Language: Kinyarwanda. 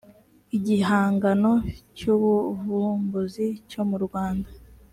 igihangano cy ubuvumbuzi cyo mu rwanda